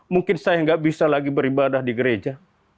mungkin saya nggak bisa lagi beribadah di gereja